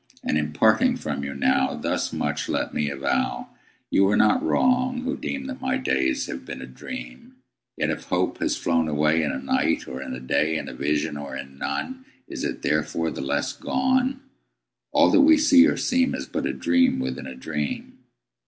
And, in parting from you now, Thus much let me avow You are not wrong, who deem That my days have been a dream: Yet if hope has flown away In a night, or in a day, In a vision or in none, Is it therefore the less gone? All that we see or seem Is but a dream within a dream.